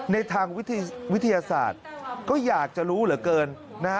ในทางวิทยาศาสตร์ก็อยากจะรู้เหลือเกินนะฮะ